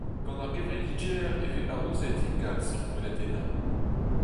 Gant ar gevredigezh e vez aozet ingal seurt gweladennoù.